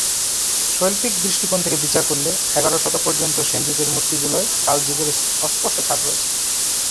শৈল্পিক দৃষ্টিকোণ থেকে বিচার করলে এগার শতক পর্যন্ত সেন যুগের মূর্তিগুলোয় পাল যুগের অস্পষ্ট ছাপ রয়েছে।